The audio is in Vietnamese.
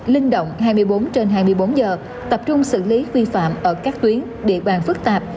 linh động hai mươi bốn trên hai mươi bốn giờ tập trung xử lý vi phạm ở các tuyến địa bàn phức tạp